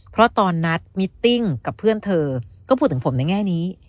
เพราะตอนนัดมิตติ้งกับเพื่อนเธอก็พูดถึงผมในแง่นี้